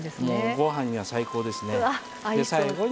ご飯には最高ですね。